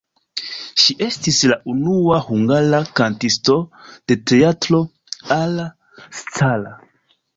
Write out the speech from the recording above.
Ŝi estis la unua hungara kantisto de Teatro alla Scala.